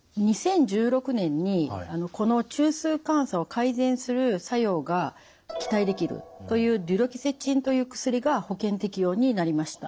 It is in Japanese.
２０１６年にこの中枢感作を改善する作用が期待できるというデュロキセチンという薬が保険適用になりました。